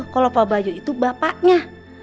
kalau pak bayu itu bapaknya